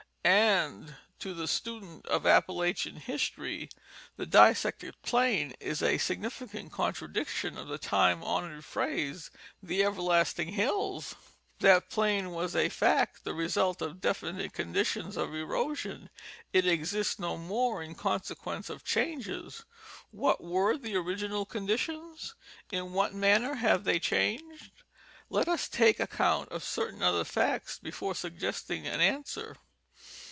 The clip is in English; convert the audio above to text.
And to the student of Appalachian history, the dissected plain is a sig nificant contradiction of the time honored phrase, "the everlast ing hills." That plain was a fact, the result of definite conditions of erosion ; it exists no more in consequence of changes. What were the original conditions? In what maniier have they changed? Let us take account of certain other facts before suggesting an answer.